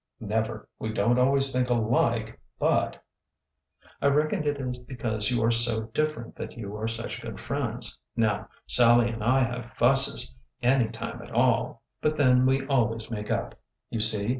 Never. We don't always think alike, but —" I reckon it is because you are so different that you are such good friends. Now Sallie and I have fusses any time at all ! But then we always make up. You see.